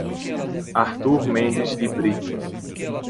Artur Mendes de Brito